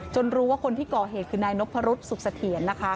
รู้ว่าคนที่ก่อเหตุคือนายนพรุษสุขเสถียรนะคะ